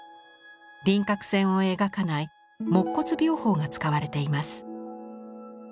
輪郭線を描かない没骨描法が使われています。